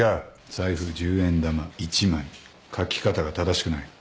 「財布」「十円玉」「一枚」書き方が正しくない。